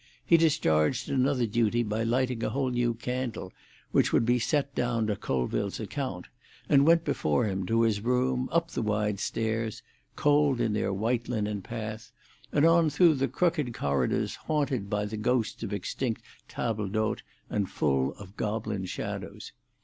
He discharged another duty by lighting a whole new candle, which would be set down to Colville's account, and went before him to his room, up the wide stairs, cold in their white linen path, and on through the crooked corridors haunted by the ghosts of extinct tables d'hôte, and full of goblin shadows.